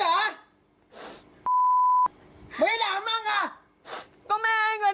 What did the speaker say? แต่แม่มันอ่ะไม่เคยน่าใจ